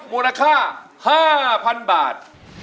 มูลค่า๕๐๐๐บาท